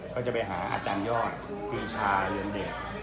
ก็จะไปหาอาจารยอดปีชาเรือนเดช